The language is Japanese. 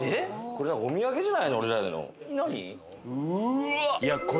お土産じゃないの？